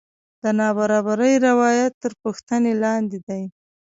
د نابرابرۍ روایت تر پوښتنې لاندې دی.